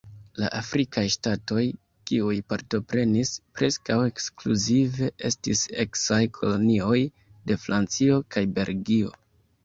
La afrikaj ŝtatoj, kiuj partoprenis, preskaŭ ekskluzive estis eksaj kolonioj de Francio kaj Belgio.